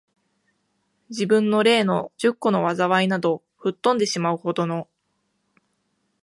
自分の例の十個の禍いなど、吹っ飛んでしまう程の、